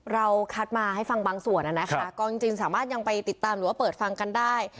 เราคัดมาให้ฟังบางส่วนนะคะก็จริงสามารถยังไปติดตามหรือว่าเปิดฟังกันได้